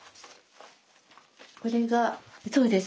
これがそうです。